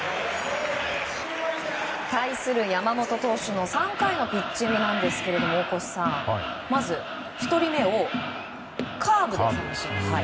対する山本投手の３回のピッチングなんですが大越さん、まず１人目をカーブで三振。